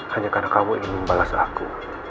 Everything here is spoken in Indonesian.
hanya karena kamu ingin membalas aku